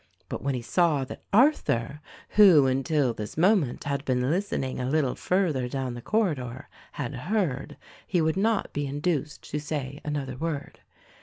But when he saw that Arthur (who until this moment had been listening a little further down the corridor) had heard, he would not be induced to say another word.